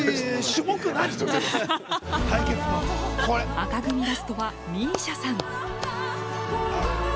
紅組ラストはＭＩＳＩＡさん。